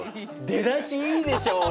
出だしいいでしょう俺。